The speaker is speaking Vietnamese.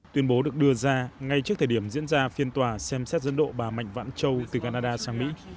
tuyên bố được đưa ra ngay trước thời điểm diễn ra phiên tòa xem xét dân độ bà mạnh vãn châu từ canada sang mỹ